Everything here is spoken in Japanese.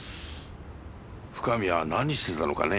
深見は何してたのかね